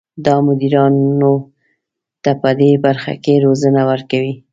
دا مدیرانو ته پدې برخه کې روزنه ورکوي.